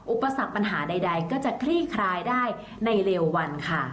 อุปสรรคปัญหาใดก็จะคลี่คลายได้ในเร็ววันค่ะ